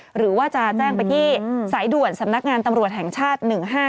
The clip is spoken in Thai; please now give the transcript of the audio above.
หรือว่าจะแจ้งไปที่สายด่วนสำนักงานตำรวจแห่งชาติ๑๕